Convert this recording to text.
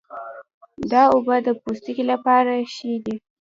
دا اوبه د پوستکي لپاره ښې دي.